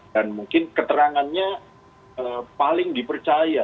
dan mungkin keterangannya paling dipercaya ya